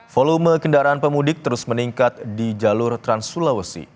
volume kendaraan pemudik terus meningkat di jalur trans sulawesi